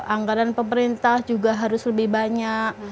anggaran pemerintah juga harus lebih banyak